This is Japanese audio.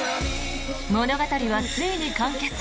物語はついに完結。